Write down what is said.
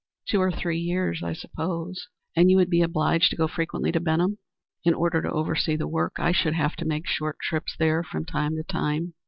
"Two or three years, I suppose." "And you would be obliged to go frequently to Benham?" "In order to oversee the work I should have to make short trips there from time to time."